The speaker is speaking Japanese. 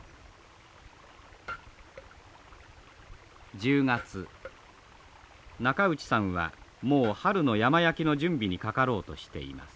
１０月中内さんはもう春の山焼きの準備にかかろうとしています。